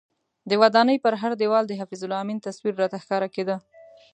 د ودانۍ پر هر دیوال د حفیظ الله امین تصویر راته ښکاره کېده.